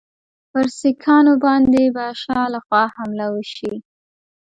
پر سیکهانو باندي به شا له خوا حمله وشي.